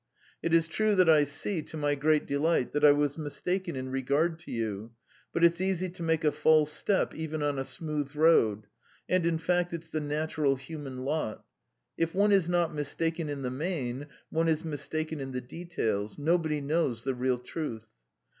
... It is true that I see, to my great delight, that I was mistaken in regard to you, but it's easy to make a false step even on a smooth road, and, in fact, it's the natural human lot: if one is not mistaken in the main, one is mistaken in the details. Nobody knows the real truth."